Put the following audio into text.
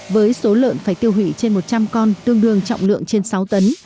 với số lợn phải tiêu hủy trên một trăm linh con tương đương trọng lượng trên sáu tấn